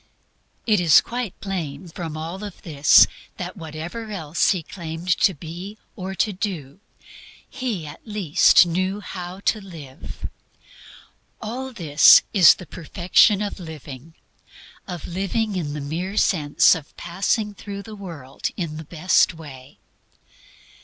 It is quite plain from all this that whatever else He claimed to be or to do, He at least KNEW HOW TO LIVE. All this is the perfection of living, of living in the mere sense of passing through the world in the best way.